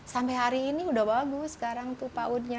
sampai hari ini udah bagus sekarang tuh pautnya